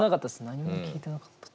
何も聞いてなかった。